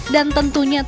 dan tentunya terang